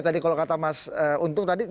tadi kalau kata mas untung tadi